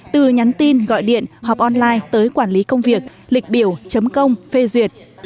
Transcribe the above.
từ nhắn tin gọi điện họp online tới quản lý công việc lịch biểu chấm công phê duyệt